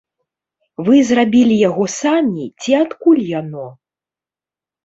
Вы зрабілі яго самі ці адкуль яно?